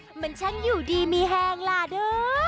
เหมือนฉันอยู่ดีมีแฮงล่ะเด้อ